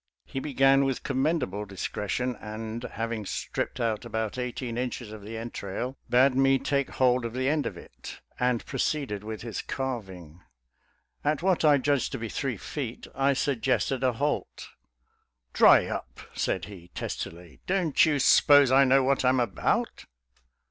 He began with commendable discre tion, and, having stripped out about eighteen inches of the entrail, bade me take hold of the end of it, and proceeded with his carving. At what I judged to be three feet, I suggested a halt. "Dry up!" said he testily; "don't you s'pose I know what I'm about?